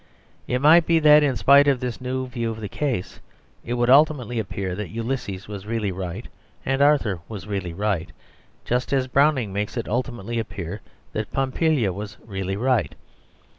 It might be that in spite of this new view of the case, it would ultimately appear that Ulysses was really right and Arthur was really right, just as Browning makes it ultimately appear that Pompilia was really right.